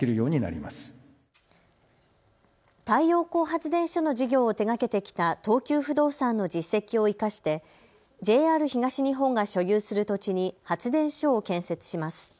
太陽光発電所の事業を手がけてきた東急不動産の実績を生かしてＪＲ東日本が所有する土地に発電所を建設します。